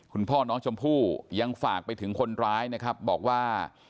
คุณพ่อน้องชมพู่ยังฝากไปถึงคนร้ายนะครับบอกว่า